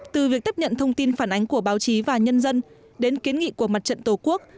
từ việc tiếp nhận thông tin phản ánh của báo chí và nhân dân đến kiến nghị của mặt trận tổ quốc